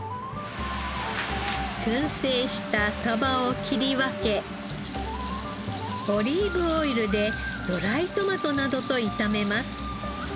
燻製したサバを切り分けオリーブオイルでドライトマトなどと炒めます。